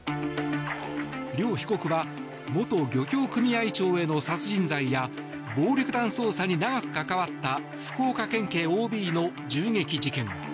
両被告は元漁協組合長への殺人罪や暴力団捜査に長く関わった福岡県警ＯＢの銃撃事件